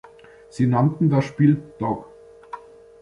Sie nannten das Spiel «Dog».